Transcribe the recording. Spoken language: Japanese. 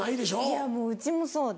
いやうちもそうで。